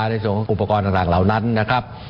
ในส่วนของอุปกรณ์ต่างเหล่านั้นนะครับ